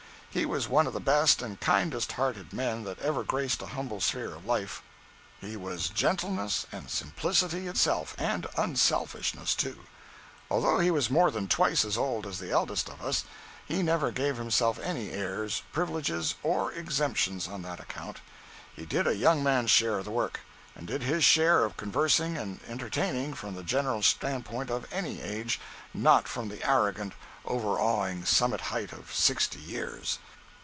He was one of the best and kindest hearted men that ever graced a humble sphere of life. He was gentleness and simplicity itself—and unselfishness, too. Although he was more than twice as old as the eldest of us, he never gave himself any airs, privileges, or exemptions on that account. He did a young man's share of the work; and did his share of conversing and entertaining from the general stand point of any age—not from the arrogant, overawing summit height of sixty years.